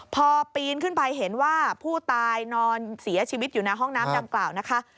พอปีนขึ้นไปเห็นว่าผู้ตายนอนเสียชีวิตอยู่ในห้องน้ำดังกล่าวนะคะ